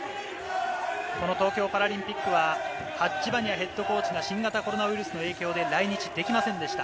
この東京パラリンピックはハッジ・バニアヘッドコーチが新型コロナウイルスの影響で来日できませんでした。